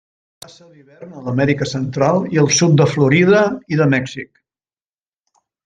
Passa l'hivern a l'Amèrica Central i el sud de Florida i de Mèxic.